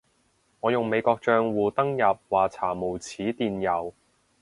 我用美國帳戶登入話查無此電郵